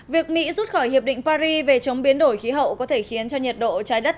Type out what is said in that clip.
việc mỹ rút khỏi hiệp định paris về chống biến đổi khí hậu có thể khiến cho nhiệt độ trái đất